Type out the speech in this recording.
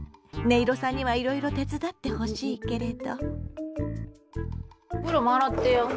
いろさんにはいろいろ手伝ってほしいけれど。